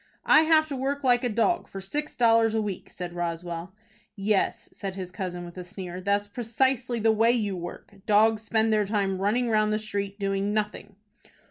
"I have to work like a dog for six dollars a week," said Roswell. "Yes," said his cousin, with a sneer, "that's precisely the way you work. Dogs spend their time running round the street doing nothing."